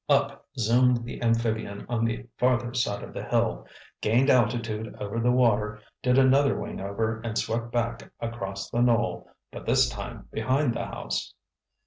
Up zoomed the amphibian on the farther side of the hill, gained altitude over the water, did another wingover and swept back across the knoll, but this time behind the house.